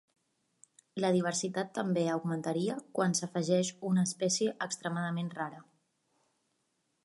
La diversitat també augmentaria quan s’afegeix una espècie extremadament rara.